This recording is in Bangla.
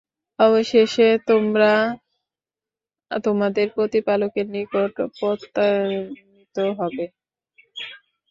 অবশেষে তোমরা তোমাদের প্রতিপালকের নিকট প্রত্যানীত হবে।